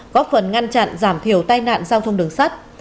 góp phần ngăn chặn giảm thiểu tai nạn giao thông đường sắt